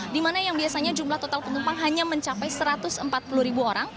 di mana yang biasanya jumlah total penumpang hanya mencapai satu ratus empat puluh ribu orang